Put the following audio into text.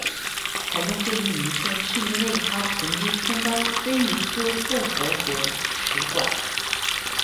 采用这一名称是因为它曾经充当威尼斯共和国使馆。